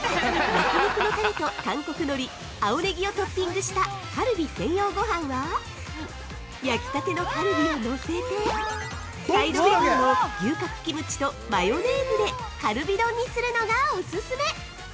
◆焼き肉のタレと韓国のり、青ネギをトッピングしたカルビ専用ごはんは焼きたてのカルビを乗せてサイドメニューの牛角キムチと、マヨネーズでカルビ丼にするのがオススメ。